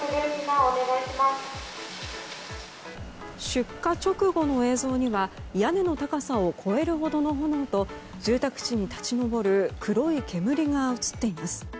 出火直後の映像には屋根の高さを越えるほどの炎と住宅地に立ち上る黒い煙が映っています。